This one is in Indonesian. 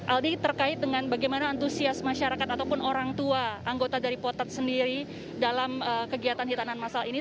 aldi terkait dengan bagaimana antusias masyarakat ataupun orang tua anggota dari potat sendiri dalam kegiatan hitanan masal ini